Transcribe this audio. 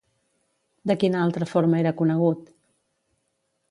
De quina altra forma era conegut?